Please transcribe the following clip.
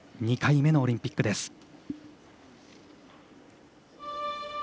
２回目のオリンピックです。